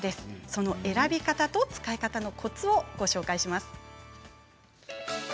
その選び方と使い方のコツをご紹介します。